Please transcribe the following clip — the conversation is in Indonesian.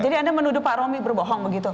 jadi anda menuduh pak romi berbohong begitu